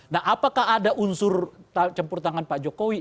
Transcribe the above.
nah apakah ada unsur campur tangan pak jokowi